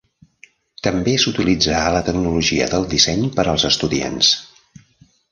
També s'utilitza a la tecnologia del disseny per als estudiants.